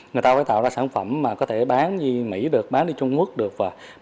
người ta phải tạo ra sản phẩm mà có thể bán như mỹ được bán đi trung quốc được